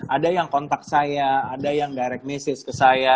ada yang kontak saya ada yang direct mesej ke saya